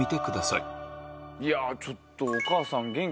いやちょっとお母さん。